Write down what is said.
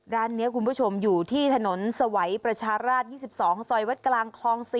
ร้านนี้คุณผู้ชมอยู่ที่ถนนสวัยประชาราช๒๒ซอยวัดกลางคลอง๔